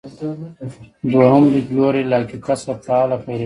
دویم لیدلوری له حقیقت څخه فعاله پیروي ده.